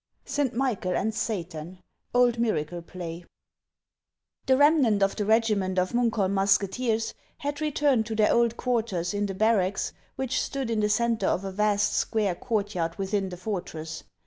Saint Michael and Satan (Old Miracle Play). r I ^HE remnant of the regiment of Munkholm muske * teers had returned to their old quarters in the bar racks, which stood in the centre of a vast, square courtyard within the fortress.